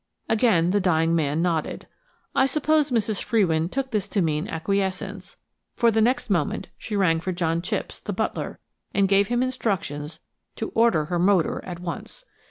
Again the dying man nodded. I suppose Mrs. Frewin took this to mean acquiescence, for the next moment she rang for John Chipps, the butler, and gave him instructions to order her motor at once.